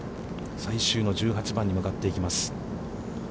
最終の１８番に向かっていきます。